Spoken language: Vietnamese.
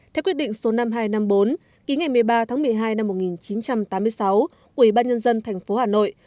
theo quyết định số năm nghìn hai trăm năm mươi bốn ký ngày một mươi ba tháng một mươi hai năm một nghìn chín trăm tám mươi sáu của ủy ban nhân dân tp hà nội